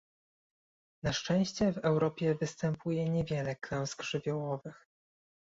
Na szczęście w Europie występuje niewiele klęsk żywiołowych